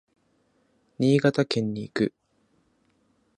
新潟県に行く。